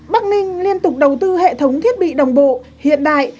bắc ninh liên tục đầu tư hệ thống thiết bị đồng bộ hiện đại